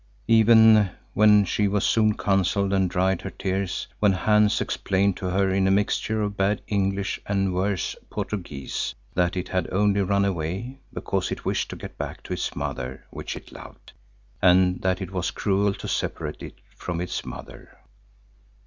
Even when she was soon consoled and dried her tears, when Hans explained to her in a mixture of bad English and worse Portuguese, that it had only run away because it wished to get back to its mother which it loved, and that it was cruel to separate it from its mother.